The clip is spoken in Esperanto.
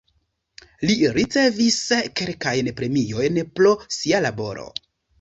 Li ricevis kelkajn premiojn pro sia laboro.